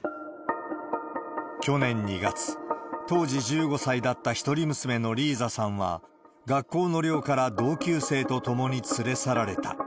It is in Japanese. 去年２月、当時１５歳だった一人娘のリーザさんは、学校の寮から同級生と共に連れ去られた。